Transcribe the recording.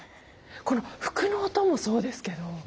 この服の音もそうですけど。